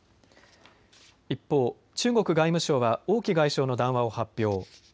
一方、中国外務省は王毅外相の談話を発表。